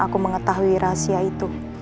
aku mengetahui rahasia itu